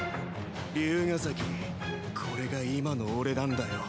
竜ヶ崎これが今の俺なんだよ。